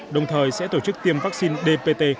đồng thời sẽ tổ chức tiêm vaccine dpt